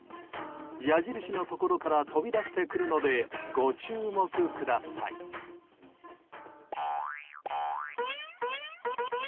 矢印のところから飛び出してくるのでご注目ください。